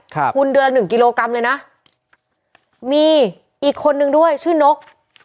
ทุนเดือนละหนึ่งกิโลกรัมเลยนะมีอีกคนนึงด้วยชื่อนก